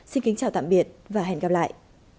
xin kính chào tạm biệt và hẹn gặp lại